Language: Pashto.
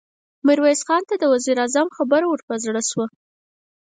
ميرويس خان ته د وزير اعظم خبره ور په زړه شوه.